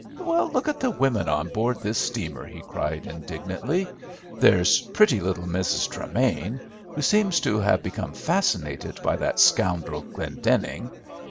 "Look at the women on board this steamer," he cried indignantly. "There's pretty little Mrs. Tremain, who seems to have become fascinated by that scoundrel Glendenning.